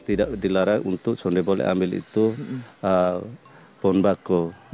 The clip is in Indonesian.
tidak dilarang untuk seandainya boleh ambil itu pohon bakau